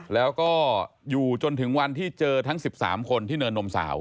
แล้วก็อยู่จนถึงวันที่เจอทั้ง๑๓คนที่เนินนมสาว